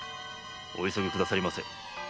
お急ぎくださいませ。